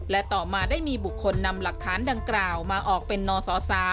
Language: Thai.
และต่อมาได้มีบุคคลนำหลักฐานดังกล่าวมาออกเป็นนศ